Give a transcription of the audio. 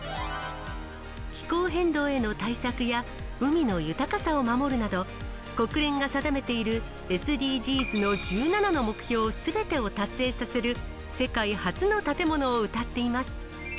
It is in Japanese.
気候変動への対策や、海の豊かさを守るなど、国連が定めているＳＤＧｓの１７の目標すべてを達成させる、世界初の建物をうたっています。